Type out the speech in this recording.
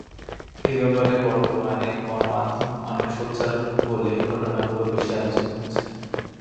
এ ব্যাপারে বর্তমানে গণমাধ্যম অনেক সোচ্চার বলে ঘটনাগুলো বেশি আলোচিত হচ্ছে।